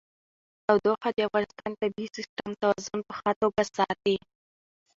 تودوخه د افغانستان د طبعي سیسټم توازن په ښه توګه ساتي.